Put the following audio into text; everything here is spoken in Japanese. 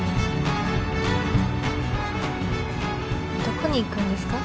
どこに行くんですか？